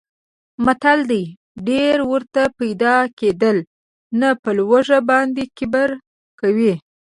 متل دی: ډېرې ورته پیدا کېدلې نه په لږو باندې کبر کوي.